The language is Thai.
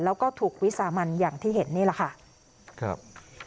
แล้วก็ถูกวิสามันอย่างที่เห็นนี่แหละค่ะครับ